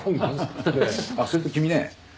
あっそれと君ね。